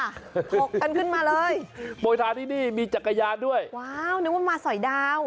หกกันขึ้นมาเลยโปรยทานที่นี่มีจักรยานด้วยว้าวนึกว่ามาสอยดาว